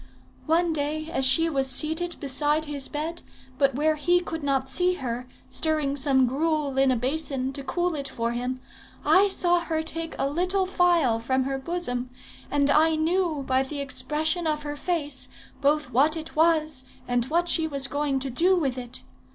"'One day, as she was seated beside his bed, but where he could not see her, stirring some gruel in a basin, to cool it from him, I saw her take a little phial from her bosom, and I knew by the expression of her face both what it was and what she was going to do with it.